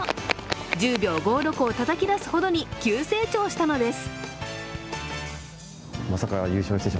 １０秒５６をたたき出すほどに急成長したのです。